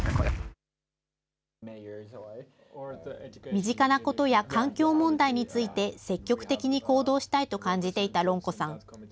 身近なことや環境問題について、積極的に行動したいと感じていたロンコさん。